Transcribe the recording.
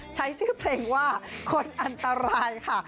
ใช้ชื่อเพลงว่าคนอันตรายค่ะ